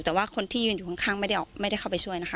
แต่ว่าคนที่ยืนอยู่ข้างไม่ได้เข้าไปช่วยนะคะ